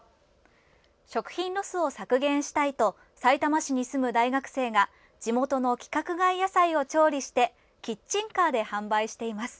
食品ロスを削減したいとさいたま市に住む大学生が地元の規格外野菜を調理してキッチンカーで販売しています。